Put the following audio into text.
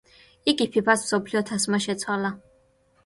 იგი ფიფას მსოფლიო თასმა შეცვალა.